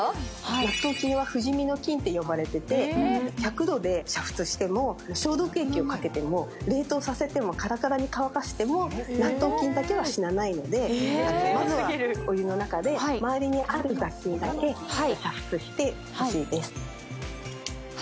納豆菌は不死身の菌と言われていて１００度で煮沸しても、消毒液をかけても、冷凍させても、カラカラに乾かせても納豆菌だけは死なないので、まずはお湯の中で周りにある雑菌だけ煮沸してほしいです。